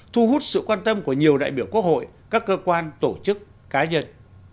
thu hút sự quan tâm của nhiều đại biểu quốc hội các cơ quan tổ chức cá nhân